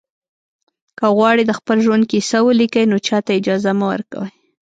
که غواړئ د خپل ژوند کیسه ولیکئ نو چاته اجازه مه ورکوئ.